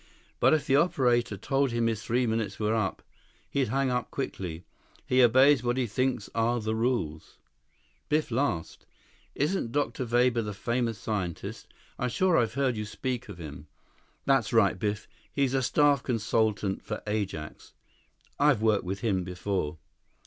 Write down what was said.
But if the operator told him his three minutes were up, he'd hang up quickly. He obeys what he thinks are the rules." Biff laughed. "Isn't Dr. Weber the famous scientist? I'm sure I've heard you speak of him." "That's right, Biff. He's a staff consultant for Ajax. I've worked with him before."